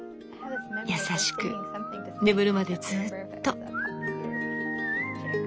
優しく眠るまでずうっと。